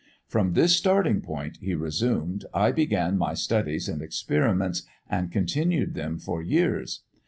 "From this starting point," he resumed, "I began my studies and experiments, and continued them for years.